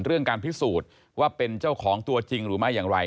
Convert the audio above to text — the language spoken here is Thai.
เรื่องการพิสูจน์ว่าเป็นเจ้าของตัวจริงหรือไม่อย่างไร